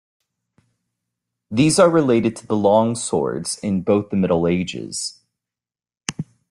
These are related to the long swords in both the Middle Ages.